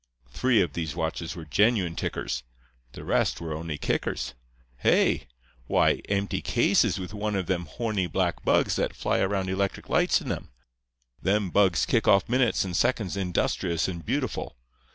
Three of these watches were genuine tickers; the rest were only kickers. Hey? Why, empty cases with one of them horny black bugs that fly around electric lights in 'em. Them bugs kick off minutes and seconds industrious and beautiful.